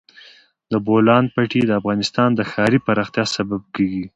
د بولان پټي د افغانستان د ښاري پراختیا سبب کېږي.